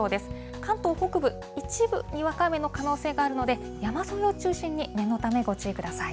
関東北部、一部にわか雨の可能性があるので、山沿いを中心に念のため、ご注意ください。